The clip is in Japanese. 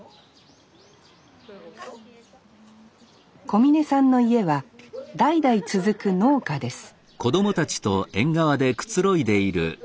小峯さんの家は代々続く農家です